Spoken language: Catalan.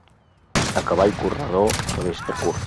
A cavall corredor, cabestre curt.